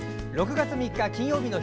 ６月３日、金曜日の